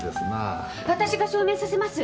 わたしが証明させます！